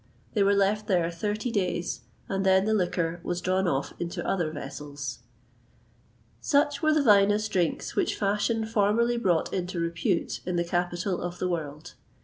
They were left there thirty days, and then the liquor was drawn off into other vessels.[XXVIII 160] Such were the vinous drinks which fashion formerly brought into repute in the capital of the world.